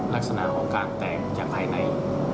ลักษณะของการแตกจากภายใน